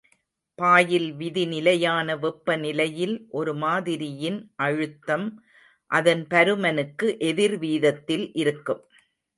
Boil விதி நிலையான வெப்பநிலையில் ஒரு மாதிரியின் அழுத்தம் அதன் பருமனுக்கு எதிர்வீதத்தில் இருக்கும்.